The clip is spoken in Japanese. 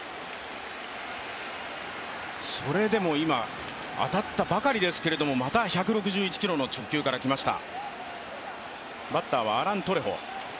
それでも今当たったばかりですけれどもまた１６１キロの直球からキました。